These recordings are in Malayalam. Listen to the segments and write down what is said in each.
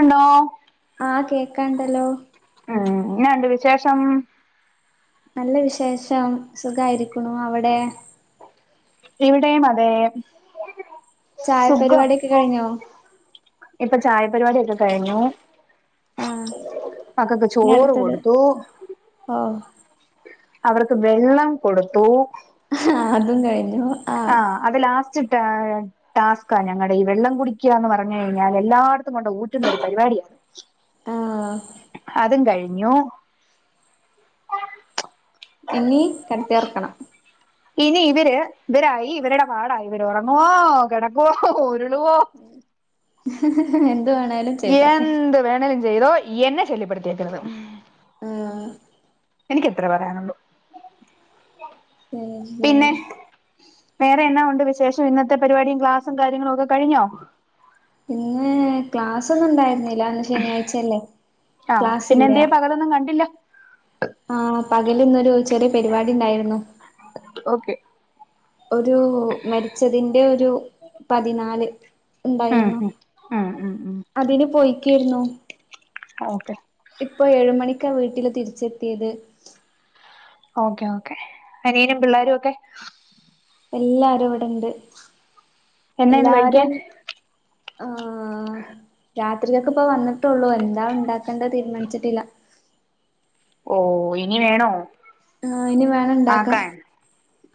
ഉണ്ടോ [unintelligible] ആഹ കേക്കാണ്ടല്ലോ ഹ് ഇന്നണ്ട് വിശേഷം നല്ല വിശേഷം സുഖയിരിക്കുണു അവടെ ഇവിടെയും അതേ ചായ സുഖം പരിപാടിയൊക്കെ കഴിഞ്ഞോ ഇപ്പൊ ചായ പരിപാടിക്കെ കഴിഞ്ഞു ആഹ് മകക്ക് ചോറ് കൊടുത്തു ആഹ അവർക്ക് വെള്ളം കൊടുത്തു ഹ ആ അതും കഴിഞ്ഞു ആ ആഹ് അത് ലാസ്റ്റ് ഇട്ട് അ ടാസ്ക ഞങ്ങളുടെ ഈ വെള്ളം കുടിക്കന്ന് പറഞ്ഞ് കഴിഞ്ഞാൽ എല്ലായിടത്തും കൊണ്ട് ഊറ്റുന്നരു പരിപാടിയാണ് ആഹ് അതും കഴിഞ്ഞു ഇനി കടത്തിയേർക്കണം ഇനി ഇവര് ഇവരായി ഇവരുടെ പാടായി ഇവര് ഉറങ്ങുവോ കിടക്കുവോ ഉരുളുവോ ഹ് ഹ് ഹ്എന്ത് വേണേലും ചെയ്തോട്ടെ എന്ത് വേണലും ചെയ്തോ എന്നെ ശല്ല്യപ്പെടുത്തിയേക്കരുത് ആഹ് എനിക്ക് എത്ര പറയാനുള്ളൂ ശരി പിന്നെ വേറെ എന്നാ ഉണ്ട് വിശേഷം ഇന്നത്തെ പരിപാടിയും ക്ലാസും കാര്യങ്ങളും ഒക്കെ കഴിഞ്ഞോ ഇന്ന് ക്ലാസ് ഒന്നും ഉണ്ടായിരുന്നില്ല ഇന്ന് ശനിയാഴ്ചയല്ലേ ആ് പിന്നെ ക്ലാസ്സില്ല എന്തേ പകലൊന്നും കണ്ടില്ല ആ പകല് ഇന്നൊരു ചെറിയ പരിപാടി ഇണ്ടായിരുന്നു ഓക്കെ ഒരു മരിച്ചതിന്റെ ഒരു പതിനാല് ഉം ഇണ്ടായിരുന്നു ഉം ഉം ഉം ഉം അതിന് പോയിക്കായിരുന്നു ഓക്കെ ഇപ്പോ ഏഴുമണിക്കാ വീട്ടില് തിരിച്ചെത്തിയത് ഓക്കേ ഓക്കേ അനിയനും പിള്ളേരും ഒക്കെ എല്ലാരും ഇവിടെണ്ട് എന്നായിന്ന് കഴിക്കാൻ ഹ് രാത്രിയെക്ക് ഇപ്പ വന്നിട്ടുള്ളൂ എന്താ ഉണ്ടാക്ക എന്താ തീരുമാനിച്ചിട്ടില്ല ഓ ഇനി വേണോ ആഹ് ഇനി വേണം ഉണ്ടാക്കാൻ ആക്കാൻ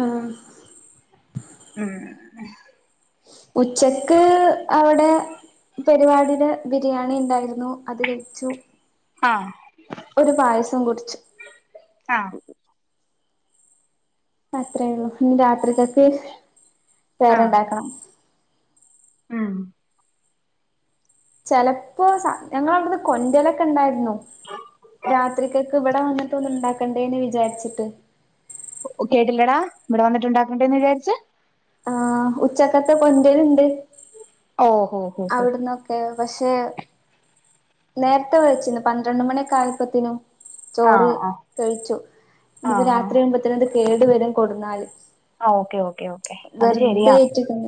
ആഹ് ഉം ഉച്ചക്ക് അവിടെ പരിപാടിയുടെ ബിരിയാണി ഉണ്ടായിരുന്നു അത് കഴിച്ചു ആഹ് ഒരു പായസും കുടിച്ചു ആഹ് അത്രയേള്ളു ഇനി രാത്രികക്ക് ആഹ് വേറെണ്ടാക്കണം ഉം ചലപ്പോ ഞങ്ങളവിടുന്ന് കൊന്റലക്കെ ഇണ്ടായിരുന്നു രാത്രികെക്ക് ഇവിടെ വന്നിട്ട് ഉണ്ടാക്കണ്ടേന്ന് വിചാരിച്ചിട്ട് കേട്ടില്ലെടാ ഇവിടെ വന്നിട്ടുണ്ടാക്കണ്ടേന്ന് വിചാരിച്ചു ആഹ് ഉച്ചക്കത്തെ കൊന്റല് ഇണ്ട് ഓഹോ ഹോ ഹോ അവിടന്നൊക്കെ പക്ഷേ നേരത്തെ വിളിച്ചിരുന്നു പന്ത്രണ്ട് മണി ആയപ്പോത്തേനും ചോറ് ആഹ് ആഹ് കഴിച്ചു ഇനിയിപ്പം ആഹ് ആഹ് രാത്രി ആകുമ്പത്തേനും ഇത് കേടു വരും കൊടുന്നാല് ആഹ് ഓക്കെ ഓക്കെ ഓക്കെ അത് വെർതെ ശരിയാ ആയിട്ടിക്കന്ന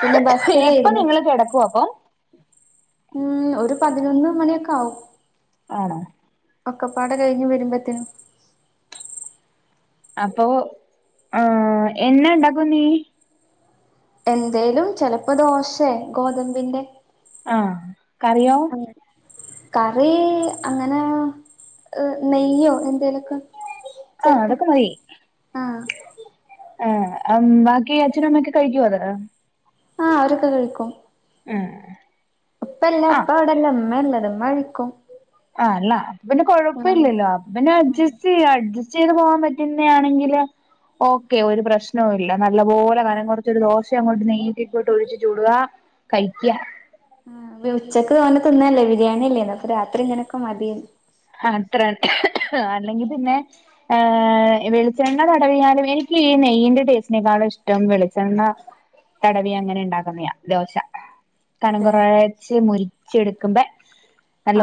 പിന്നെ എപ്പൊ ബസിലായിരുന്നു നിങ്ങള് കിടക്കും അപ്പം ഉം ഒരു പതിനൊന്ന് മണിയൊക്കെ ആവും ആണോ ഒക്കപ്പാട കഴിഞ്ഞ് വരുമ്പത്തേനും അപ്പൊ ആഹ് എന്നാ ഉണ്ടാക്കും നീ എന്തേലും ചെലപ്പോ ദോശെ ഗോതമ്പിന്റെ ആഹ് കറിയോ കറി അങ്ങനോ നെയ്യോ എന്തേലൊക്കെ ആഹ് ചേർക്കും അതൊക്കെ മതി ആഹ് ഏ ബാക്കി അച്ഛനും അമ്മയൊക്കെ കഴിക്കുവോ അത് ആഹ് അവരൊക്കെ കഴിക്കും ഹെ ഇപ്പ ഇല്ല ഇപ്പ ഇവടെല്ല ഇമ്മള്ളത് മ്മ നിക്കും അല്ല വല കൊഴപ്പല്ലല്ലോ ഹസ്ബൻഡ് ആഹ് അഡ്ജസ്റ്റ് ചെയ്യാം അഡ്ജ ചെയ്ത് പോവാൻ പറ്റുന്നാണെങ്കിലും ഓക്കെ ഒരു പ്രശ് പ്രശ്നവും ഇല്ല നല്ല പോലെ കനം ആഹ് കുറച്ചൊരു ദോശ അങ്ങോട്ട് നെയ്യ് ഒഴിച്ച് ചൂടുക കഴിക്ക ആഹ് ഉച്ചയ്ക്ക് തോനെ തിന്നല്ലേ ബിരിയാണിയല്ലേ അപ്പൊ രാത്രി ഇങ്ങനെയൊക്കെ മതി അത്ര തന്നെ അല്ലെങ്കി പിന്നെ ഏ വെളിച്ചെണ്ണ തടവിയാലും എനിക്ക് ഈ നെയ്യിന്റെ ടേസ്റ്റിനേക്കാളും ഇഷ്ടം വെളിച്ചെണ്ണ തടവി അങ്ങനെ ഉണ്ടാക്കുന്നയാ ദോശ കനം അതെ കുറച്ച് മുരിച്ചെടുക്കുമ്പ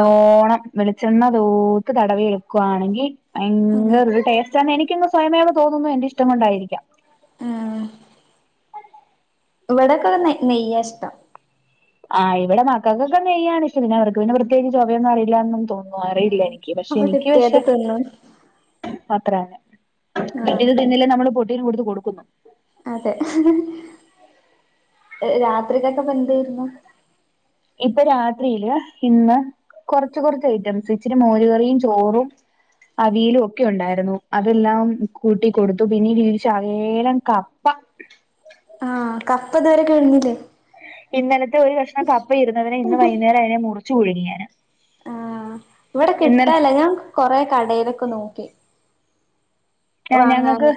ആവു വെളിച്ചെണ്ണ തൂത്ത് തടവിയെടുക്കുവാണെങ്കി ഉം ഭയങ്കര ട്ടെസ് എനിക്കങ് സ്വയമേ തോന്നുന്നു എന്റെഇഷ്ടം കൊണ്ടായിരിക്കാം ആഹ് ഇവിടെയൊക്കെ വന്നേ നെയ്യാ ഇഷ്ടം ആഹ് ഇവിടെ മക്കൾക്കൊക്കെ നെയ്യാണ് ഇഷ്ടം അവർക്ക് പിന്നെ ചോവയൊന്നും അറില്ലാന്ന് തോന്നുന്നു ആഹ് അറിയില്ലായിരിക്കും പക്ഷെ അപ്പൊ എനിക്ക് കിട്ടിയത് പക്ഷേ തിന്നും അത്ര തന്നെ ആഹ് ഇത് തിന്നില്ലേ നമ്മള് പൊട്ടീന് കൊടുത്ത് കൊടുക്കുന്നു അതെ രാത്രികെക്ക എന്തായിരുന്നു ഇപ്പൊ രാത്രിയില് ഇന്ന് കൊറച്ച് കൊറച്ച് ഐറ്റംസ് ഇച്ചിരി മോര് കറിയും ചോറും അവിയലും ഒക്കെ ഉണ്ടായിരുന്നു അതെല്ലാം കൂട്ടി കൊടുത്തു പിന്നെ [unintelligible] ശകേലം കപ്പ ആഹ് കപ്പ ഇതുവരെ കഴിഞ്ഞില്ലേ ഇന്നലത്തെ ഒരു കഷ്ണം കപ്പ ഇരുന്നതിനെ ഇന്ന് ഹ് വൈന്നേരം അയിനെ മുറിച്ചു കുയിങ്ങിയേനെ ആഹ് ഇവിടെ കിട്ടാല്ല ഞാൻ കൊറെ കടയിലൊക്കെ നോക്കി ആഹ് ഞങ്ങക്ക് വാങ്ങാന്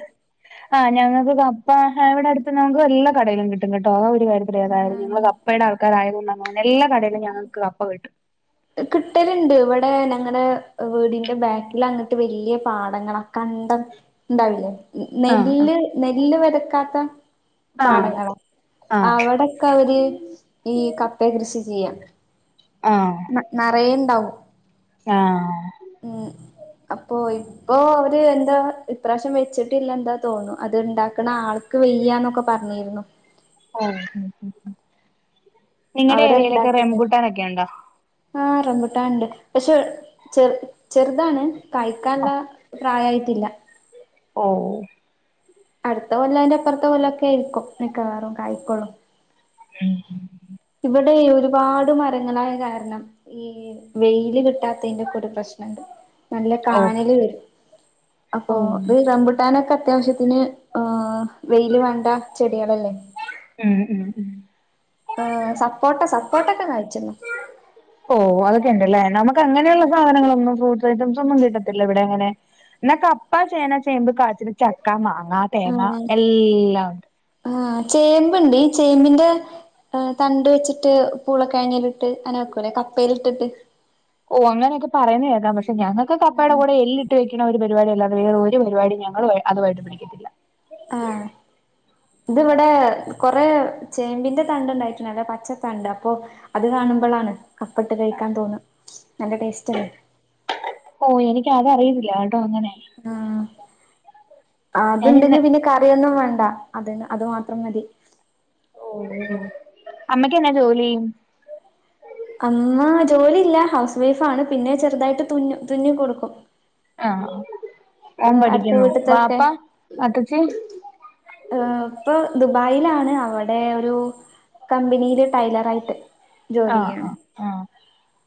ആഹ് ഞങ്ങക്ക് കപ്പ ഇവിടെ അടുത്ത് നമുക്ക് എല്ലാ കടയിലും കിട്ടും കേട്ടോ അ [unintelligible] ങ്ങള് ആഹ് കപ്പയുടെ ആൾക്കാര യത് കൊണ്ട എല്ലാ കടയിലുംഞങ്ങക്ക് കപ്പ കിട്ടും കിട്ടല്ണ്ട് ഇവിടെ ഞങ്ങടെ വീടിന്റെ ബാക്കിൽ അങ്ങട്ട് വലിയ പാടങ്ങളാ കൺ ണ്ടാവില്ലേ ആഹ് നെല്ല് നെല്ല് വെതക്കാത്ത ആഹ് പാടങ്ങളാ അവിടെക്കെ അവര് ഈ കപ്പെ കൃഷി ചെയ്യാ ആഹ് നറെ ണ്ടാവും. ആഹ് ഉം അപ്പൊ ഇ ഇപ്പൊ അവര് എന്താ ഇപ്രാവശ്യം വെച്ചിട്ടില്ല. എന്താ തോന്നു അത്ണ്ടാക്ക്ണ ആൾ ക്ക് വെയ്യ എന്നൊക്കെ പറഞ്ഞിരുന്നു. ഓഹ് നിങ്ങടെ അവരാ ഏരിയലൊക്കെ റെംബുട്ടാനൊക്കെ ണ്ടോ? ആ റംബിട്ടാണ്ട്. പക്ഷെ ചെറ് ചെറ് താണ്. കഴിക്കാള്ള പ്രായായിട്ടില്ല. ഓഹ് അടുത്ത കൊല്ല അയ്ന്റെ ഇ പ്പുറത്തെ കൊല്ലക്കെയിരിക്കും മിക്കവാറും കായിക്കോള്ളൂ. ഉം ഇവിടെ ഒരുപാട് മരങ്ങളായ കാരണം ഈ വെയിൽ ല് കിട്ടാത്തതിന്റെക്കൊരു പ്രശ്നണ്ട് നല്ല ഓക്കെ കാനല് വരും. അപ്പൊ ഉം ത് റംമ്പുട്ടാനൊക്കെ അത്യാവശ്യത് ന് വെയിൽ വേണ്ട ചെടികളല്ലേ? ഉം ഉം ഉം ഏഹ് സപ്പോട്ട സപ്പോട്ടൊക്കെ കായ് ച്ചിണ്ണ്. ഓഹ് അതക്കെ ണ്ട്ല്ലേ? നമക്ക് അങ്ങനെയുള്ള സാധനങ്ങളൊന്നും ഫ്രൂട്ട് ഐറ്റംസൊന്നും കിട്ടത്തില്ല. ഇവിടെ ങ്ങനെ ന്നാ കപ്പ ചേന ചേമ്പ് കാച്ചി ചക്ക മാങ്ങാ തേങ്ങ എല്ലാം ഉണ്ട്. ആ ചേമ്പ്ണ്ട് ചേമ്പിന്റെ തണ്ട് വെച്ചിട്ട് പൂളക്കകഴഞ്ഞിലിട്ട് അങ്ങനെ വെക്കൂല്ലെ കപ്പൽട്ടിട്ട് ഓഹ് അങ്ങനെയൊക്കെ പറയുന്ന കേക്കാ പക്ഷെ ഞങ്ങക്ക് കപ്പേടെ ആഹ് കൂടെ എല്ല് വെക്ക്ണ ഒരു പരിപാടി അല്ലാതെ വേറെ ഒരു പരിപാടി ഞങ്ങൾ അതുമായിട്ട് ല്ല. ആഹ് ഇത് ഇവടെ കൊറെ ചേമ്പിന്റെ തണ്ട് ണ്ടായിട്ടുണ്ട്. അല്ലെ പച്ചത്തണ്ട് അപ്പൊ അത് കാണുമ്പളാണ് കപ്പട്ട് കഴിക്കാൻ തോന്ന നല്ല ടേസ്റ്റ് ല്ലേ? ഓഹ് എനിക്ക് അതറിയത്തില്ല ട്ടോ അങ്ങനെ ആ അത്ണ്ട് ങ്ങി ഞാനിന്ന് പിന്നെ കറിയൊന്നും വേണ്ട. അത് മാത്രം മതി. ഓഹ് അമ്മയ്ക്കെന്നാ ജോലി? അമ്മ ജോലിയില്ല. ഹൗസ് വൈഫാ ണ് പിന്നെ ചെറുതായിട്ട് തുന്നും തുന്നി കൊടുക്കും. ആഹ് ഓൻ അടുത്ത പഠിക്കുന്നു. വീട്ടത്തൊക്കെ വാപ്പാ അത്തച്ചി ഏഹ് ഇപ്പ ദുബായിലാണ്. അവിടെ ഒരു കമ്പനിയില് ടൈലറയിട്ട്. ആഹ് ആ ആ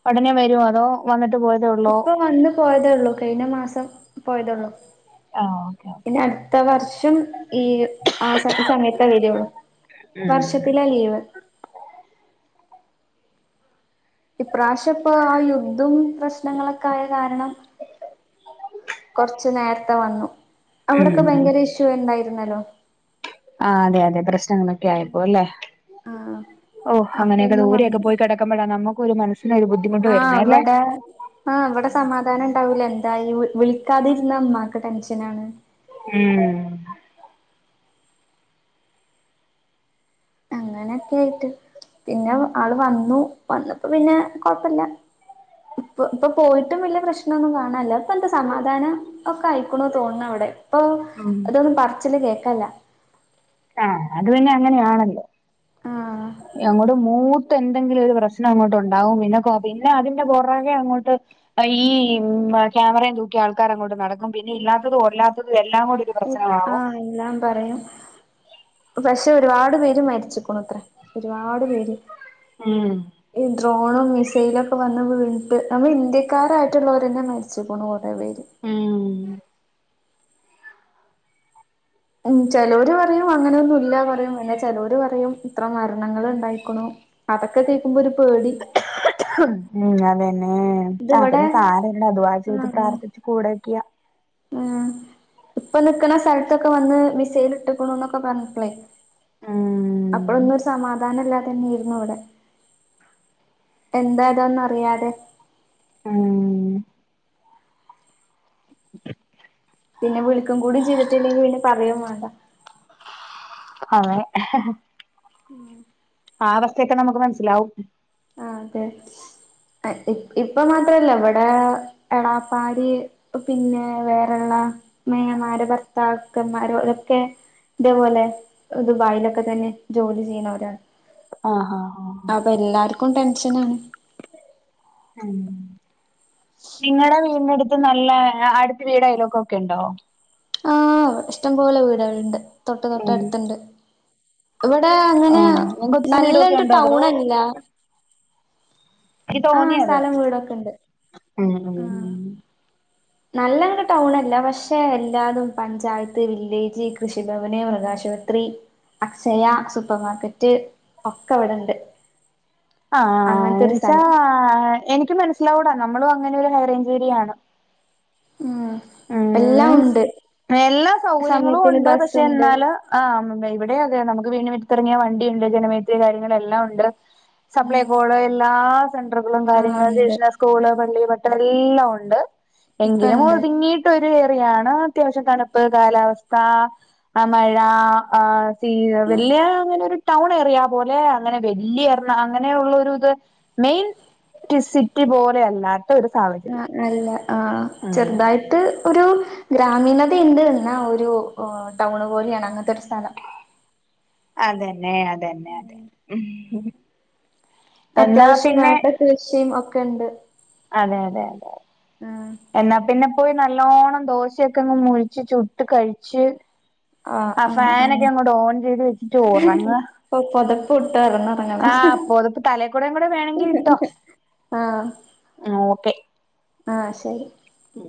ഉടനെ വരോ അതോ വന്നിട്ട് പോയ ഇപ്പൊ വന്ന് പോയതേ ഒള്ളൂ. കഴിഞ്ഞ മാസം പോയതോള്ളു. ആഹ് ഓക്കെ ഒക്കെ പിന്നെ അടുത്ത വർഷം ഈ ആ ഈ സമയത്ത വരുള്ളൂ. വർഷത്തില ലീവ്. ഇപ്രാവശ്യം ഇപ്പോ ആ യുദ്ധ്യും പ്രശ്നങ്ങളൊക്കായ കാരണം കുറച്ച് നേരത്തെ വന്നു. അവിടൊക്കെ ഉം ഭയങ്കര ഇഷ്യൂ ഉണ്ടായിരുന്നല്ലോ? ആ അതെ അതെ പ്രശ്നങ്ങളൊക്കെ ആയപ്പോ അല്ലേ ആഹ് ഓ അപ്പൊ അങ്ങനെയൊക്കെ ഒന്ന് ദൂരെയൊക്കെ വന്നു പോയി കിട നമുക്ക് ഒരു മനസ്സിന് ഒരു ബുദ്ധി ആ അവിടെ ആഹ് ഇവിടെ സമാധാനം ഉണ്ടാവൂല. എന്തായി വിളിക്കാതെരുന്ന മ്മാക്ക് ടെൻഷനാണ്. മ് അങ്ങനെയൊക്കെ ആയിട്ട് പിന്നെ ആള് വന്നു. വന്നപ്പോ പിന്നെ കൊഴപ്പില്ല. ഇപ്പ ഇപ്പൊ പോയിട്ടും വലിയ പ്രശ്നമൊന്നും കാണല്ലാ ഇപ്പ എന്താ സമാധാനം. ഒക്കെ അയിക്കണോ തോന്നണ് അവിടെ ഇപ്പൊ ഉം അതൊന്നും പറിച്ചില് കേക്കാല്ല ആഹ് അത് പിന്നെ അങ്ങനെയാണല്ലോ ആഹ് അങ്ങോടട്ട് മൂ എന്തെങ്കിലും ഒരു പ്രശ്നം അങ്ങോട്ട്ണ്ടാവും പിന്നെ പിന്നെ അതിന്റെ പുറകെ അങ്ങോട്ട് ഈ ക്യാമറയും തൂക്കി ആൾക്കാർ അങ്ങോട്ട് നടക്കും പിന്നെ ഇല്ലാത്തതും കൊല്ലാത്തതും എല്ലാം കൂടി ഒരു പ്രശ്നമാകും ആഹ് എല്ലാം പറയും പക്ഷെ ഒരുപാട് പേര് മരിച്ചക്കണത്രെ ഒരുപാട് പേര് ഉം ഈ ഡ്രോണും മിസൈലും ഒക്കെ വന്ന് വീണിട്ട് നമ്മൾ ഇന്ത്യക്കാരായിട്ടുള്ളവർന്നെ മരിച്ചു പോണു കുറേ പേര് ഉം ഉം ചിലോര് പറയും അങ്ങനൊന്നും ഇല്ല പറയും പിന്നെ ചിലോര് പറയും എത്ര മരണങ്ങൾ ഉണ്ടായിക്കണു അതൊക്കെ കേൾക്കുമ്പോൾ ഒരു പേടി ഉം അതന്നെ ഇത് ആ ഇവിടെ പിന്നെ [unintelligible] ചെയ്ത് പ്രാർത്ഥിച്ചു കൂടക്കിയ ഉം ഇപ്പ നിക്കണ സ്ഥലത്തൊക്കെ വന്ന് മിസൈൽ ഇട്ട്ക്കുണുന്നൊക്കെ പറഞ്ഞപ്പളേ ഉം അപ്പോഴൊന്നും ഒരു സമാധാനല്ലാ തന്നെരുന്നു ഇവിടെ എന്താ ഇതോ ഒന്ന അറിയാതെ ഉം പിന്നെ വിളിക്കും കൂടി ചെയ്തിട്ടില്ലെങ്കിൽ പിന്നെ പറയെം വേണ്ട അതെ ഉം ആ അവസ്ഥയൊക്കെ നമുക്ക് മനസ്സിലാവും ആ അതെ ഇപ്പ മാത്രല്ല ഇവിടെ എളാപ്പാര് പിന്നെ വേറെള്ള മേമാരെ ഭർത്താക്കന്മാരോ ഒരൊക്കെ ഇതേപോലെ ദുബായിലൊക്കെ തന്നെ ജോലി ചെയ്യുന്നവരാണ് ആഹ് ആഹ് ആഹ് അപ്പൊ എല്ലാർക്കും ടെൻഷനാണ് ഉം നിങ്ങടെ വീടിനടുത്ത് നല്ല അടുത്ത വീടയലോൽക്കോക്കെ ഉണ്ടോ ആഹ് ഇഷ്ടംപോലെ വീടണ്ട് തൊട്ട് തൊട്ട് ഉം അടുത്തണ്ട് ഇവിടെ അങ്ങനെ ആഹ് നിങ്ങക്ക് ഒത്തിരി വീടൊക്കെ നല്ലണ്ട് ഉണ്ടോ അതോ ടൗൺല്ല എനിക്ക് തോന്നി അത് സ്ഥലം വീടൊക്കെ ഉണ്ട് ഉം ഉം നല്ല ഒരു ടൗൺല്ല പക്ഷെ എല്ലാതും പഞ്ചായത്ത് വില്ലേജ് കൃഷിഭവന് മൃഗാശു റി അക്ഷയ സൂപ്പർമാർക്കറ്റ് ഒക്കെ ഇവിടെണ്ട് ആഹ് അങ്ങനത്തെ ഒരു എന്നച്ചാ സ്ഥലം എനിക്ക് മനസ്സിലാവൂടാ നമ്മളും അങ്ങനെ ഒരു ഹൈറേഞ്ച് ഏരിയ ആണ് ഉം ഉം എല്ലാം മീൻസ് ഉണ്ട് എല്ലാ സൗകര്യങ്ങളും സമയത്തിന് ഉണ്ട് പക്ഷെ ബസ്സുണ്ട് എന്നാല് ആഹ് ഇവിടെ അതെ നമുക്ക് വീടിന്റെ മുറ്റത്തിറങ്ങിയ വണ്ടിയുണ്ട് ജനമയിത്രി കാര്യങ്ങൾ എല്ലാം ഉണ്ട് ഉം സപ്ലൈകോഡാ എല്ലാ സെൻറുകളും ആഹ് കാര്യങ്ങളും ഉണ്ട് [unintelligible] സ്കൂള് പള്ളി പട്ടണം എല്ലാം ഉണ്ട് ഒക്കെ എങ്കിലും ഉണ്ട് പിന്നീട്ടൊരു എറിയാണ് അത്യാവശ്യം തണുപ്പ് കാലാവസ്ഥ ആ മഴ ആ തീയ് ആഹ് വല്യ അങ്ങനെ ഒരു ടൗൺ ഏരിയ പോലെ അങ്ങനെ വലിയ എറണ അങ്ങനെയുള്ള ഒരു ഇത് മെയിൻ സിറ്റി പോലെയല്ലാ ഒരു സാധനം... ആഹ്! അല്ല ആഹ്! ചെറുതായിട്ട... അത് ഒരു ഗ്രാമീണത ഇണ്ട്. ഒരു ടൗൺ പോലെയാണ് അങ്ങനത്തെ ഒരു സ്ഥലം. അതന്നെ അതന്നെ അതെ.... ഉം ! ! അത്യാവശ്യം വേണ്ട കൃഷിയും ഒക്കെ ഉണ്ട്.. അതെ അതെ അതെ അതേ... ! ആഹ് ! എന്നാ പിന്നെ... പോയി നല്ലോണ്ണം ദോശയൊക്കെങ്ങ് മൊരിച്ചു ചുട്ട് കഴിച്ച്... ആഹ് ആ ആഹ് ഫാനൊക്കെ ആഹ് അങ്ങോട്ട് ഓൺ ചെയ്തിട്ടിട്ട് ഓറങ്ങ.. പ്പോ പൊതപ്പ്ട്ടെരണം ആഹ് പൊതപ്പ് തലേ കൂടെം കൂടെ വേണെങ്കില്ട്ടോ. ആഹ് ഓക്കെ ആഹ് ശെരി ഉം...